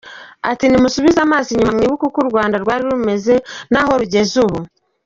Ati” Nimusubize amaso inyuma mwibuke uko u Rwanda rwari rumeze naho rugeze ubu.